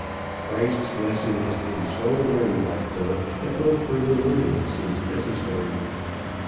Christ's lesson has been so learned by her that no further learning seems necessary.